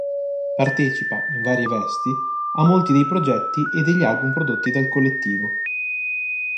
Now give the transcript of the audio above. Partecipa, in varie vesti, a molti dei progetti e degli album prodotti dal collettivo.